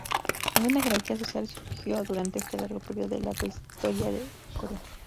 Ninguna jerarquía social surgió durante este largo periodo de la prehistoria de Corea.